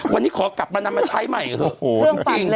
วันนี้ขอกลับมานำมาใช้ใหม่เถอะ